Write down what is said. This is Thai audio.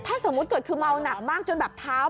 ถ้าสมมุติเกิดคือเมาหนักมากจนแบบเท้า